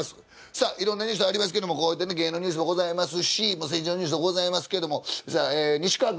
さあいろんなニュースありますけどもこうやってね芸能ニュースもございますし政治のニュースもございますけどもさあえ西川君